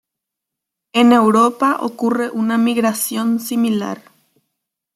En Europa ocurre una migración similar.